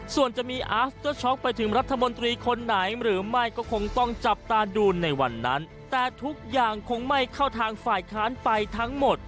ส่วนจะมีอาสเตอร์ช็อกไปถึงรัฐมนตรีคนไหนหรือไม่ก็คงต้องจับตาดูในวันนั้นแต่ทุกอย่างคงไม่เข้าทางฝ่ายค้านไปทั้งหมด